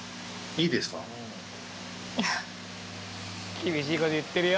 厳しいこと言ってるよ。